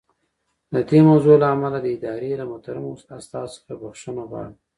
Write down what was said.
د دې موضوع له امله د ادارې له محترمو استازو څخه بښنه غواړم.